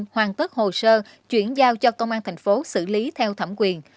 hoàn tất hồ sơ chuyển giao cho công an tp hcm xử lý theo thẩm quyền